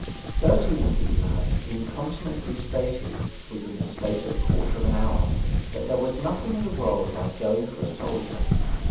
Thirteen of these lads incontinently stated within the space of a quarter of an hour that there was nothing in the world like going for a soldier.